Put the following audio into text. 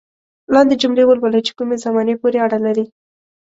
لاندې جملې ولولئ چې کومې زمانې پورې اړه لري.